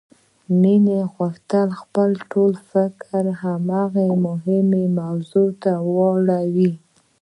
مينې غوښتل خپل ټول فکر هغې مهمې موضوع ته واړوي.